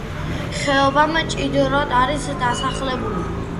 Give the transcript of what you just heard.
ხეობა მჭიდროდ არის დასახლებული.